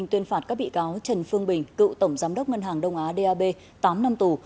tuyên phạt các bị cáo trần phương bình cựu tổng giám đốc ngân hàng đông á dap tám năm tù